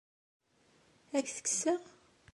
Ad ak-t-kkseɣ?